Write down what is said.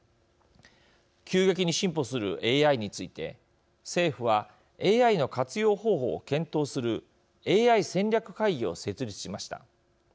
急激に進歩するＡＩについて政府はＡＩの活用方法を検討するＡＩ戦略会議を設立しました。